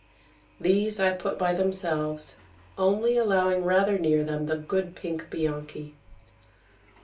These I put by themselves, only allowing rather near them the good pink Bianchi.